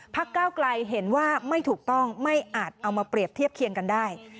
ก้าวไกลเห็นว่าไม่ถูกต้องไม่อาจเอามาเปรียบเทียบเคียงกันได้